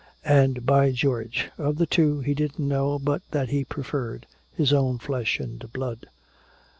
And, by George, of the two he didn't know but that he preferred his own flesh and blood.